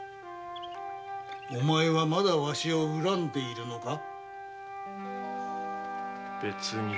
お前はまだわしを恨んでいるのか別に。